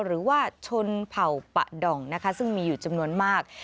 หรือว่าชนเผ่าปะด่องนะคะซึ่งมีอยู่จำนวนมาก